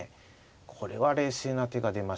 これは冷静な手が出ました。